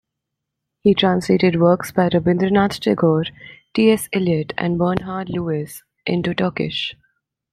He translated works by Rabindranath Tagore, T. S. Eliot, and Bernard Lewis into Turkish.